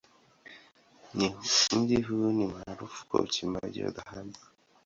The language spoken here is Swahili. Mji huu ni maarufu kwa uchimbaji wa dhahabu.